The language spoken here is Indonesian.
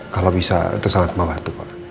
kalau bisa itu sangat membantu pak